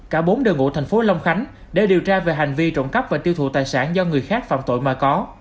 cả bốn đơn ngũ tp long khánh để điều tra về hành vi trộn cắp và tiêu thụ tài sản do người khác phạm tội mà có